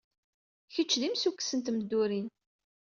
Kecc d imsukkes n tmeddurin.